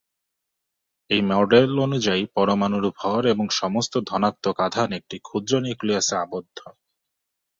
এই মডেল অনুযায়ী পরমাণুর ভর এবং সমস্ত ধনাত্মক আধান একটি ক্ষুদ্র নিউক্লিয়াসে আবদ্ধ।